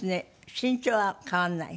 身長は変わんない？